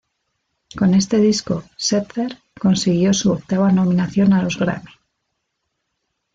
Con este disco, Setzer consiguió su octava nominación a los Grammy.